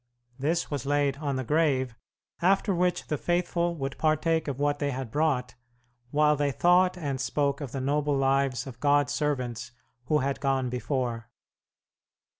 This was laid on the grave, after which the faithful would partake of what they had brought, while they thought and spoke of the noble lives of God's servants who had gone before.